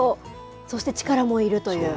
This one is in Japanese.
そして力もいるという。